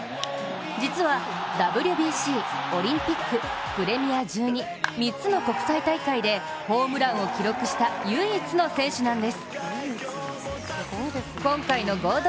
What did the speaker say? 実はＷＢＣ、オリンピック、プレミア１２、３つの国際大会でホームランを記録した唯一の選手なんです。